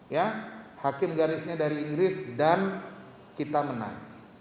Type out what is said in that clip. ya hakim garisnya dari inggris dan kita menang